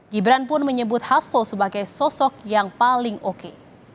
gibran pun menyebut hasto sebagai sosok yang paling oke